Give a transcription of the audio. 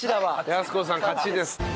康子さん勝ちです。